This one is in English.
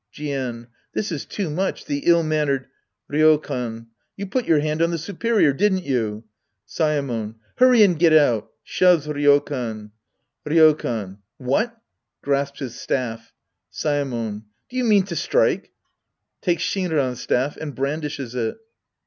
Jien. This is too much, the ill mannered — Ryokan. You put your hand on the superior, did n't you ? Saemon. Hurry and get out ! {Shoves Ryokan.) Ryokan. What — {Grasps his staff.) Saemon. Do you mean to strike ? {Takes Shin ran's staff and brandishes it.)